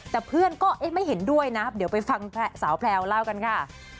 แต่เพื่อนก็ไม่เห็นด้วยนะเดี๋ยวไปฟังสาวแพลวเล่ากันค่ะ